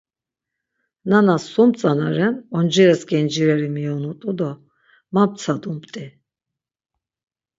Nana sum tzana ren oncires gencireri miyonut̆u do ma ptsadumt̆i.